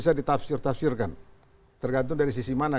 tergantung dari sisi mana kita berpikir tergantung dari sisi mana kita berpikir